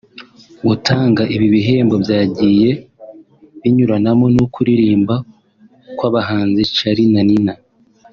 Gutanga ibi bihembo byagiye binyuranamo no kuririmba kw’abahanzi Charly na Nina